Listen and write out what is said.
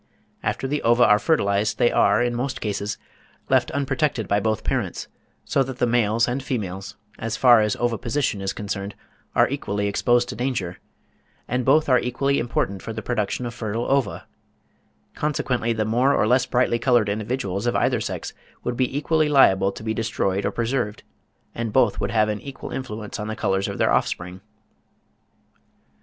After the ova are fertilised they are, in most cases, left unprotected by both parents, so that the males and females, as far as oviposition is concerned, are equally exposed to danger, and both are equally important for the production of fertile ova; consequently the more or less brightly coloured individuals of either sex would be equally liable to be destroyed or preserved, and both would have an equal influence on the colours of their offspring.